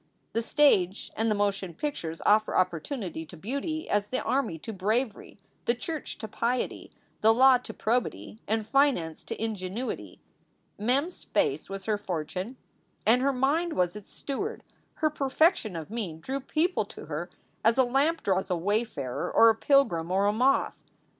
The stage and the motion pictures offer opportunity to beauty as the army to bravery, the church to piety, the law to probity, and finance to ingenuity. Mem s face was her fortune and her mind was its steward. Her perfection of mien drew people to her as a lamp draws a wayfarer or a pilgrim or a moth.